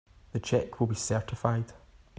The check will be certified.